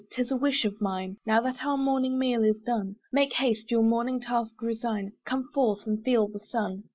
('tis a wish of mine) Now that our morning meal is done, Make haste, your morning task resign; Come forth and feel the sun.